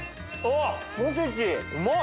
うまい！